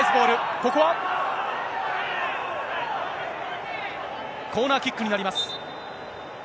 ここはコーナーキックになります。